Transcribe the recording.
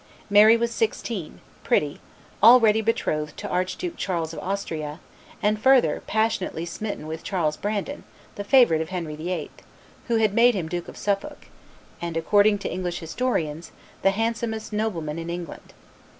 Mary was sixteen, pretty, already betrothed to Archduke Charles of Austria, and, further passionately smitten with Charles Brandon, the favorite of Henry VIII., who had made him Duke of Suffolk, and, according to English historians, the handsomest nobleman in England.